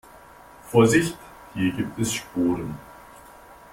Vorsicht, hier gibt es Sporen.